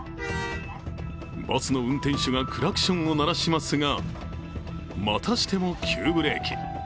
バスの運転手がクラクションを鳴らしますがまたしても急ブレーキ。